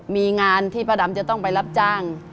มีงานที่ป้าดำจะต้องไปรับจ้าง